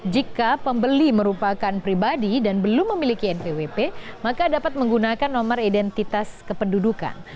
jika pembeli merupakan pribadi dan belum memiliki npwp maka dapat menggunakan nomor identitas kependudukan